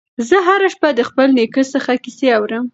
زه هره شپه د خپل نیکه څخه کیسې اورم.